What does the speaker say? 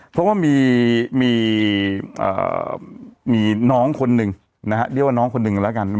เพราะว่ามีน้องคนหนึ่งนะฮะเรียกว่าน้องคนหนึ่งแล้วกัน